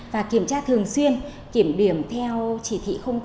và kiểm tra thường xuyên kiểm điểm theo chỉ thị bốn